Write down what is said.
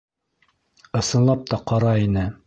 Ысынлап та ҡара ине.